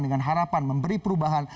dengan harapan memberi perubahan